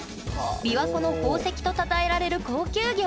「びわ湖の宝石」とたたえられる高級魚。